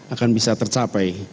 akan bisa tercapai